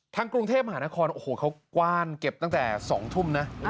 ทั้งกรุงเทพฯมหานครเขากว้านเก็บตั้งแต่๒ทุ่ม